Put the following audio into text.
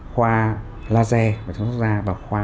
khoa laser và khoa